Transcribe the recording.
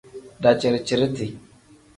Daciri-ciriti.